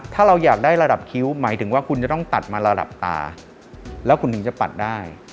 ถ้าเราอยากได้ระดับคิ้วหมายถึงว่าคุณจะต้องตัดมาระดับตาแล้วคุณถึงจะปัดได้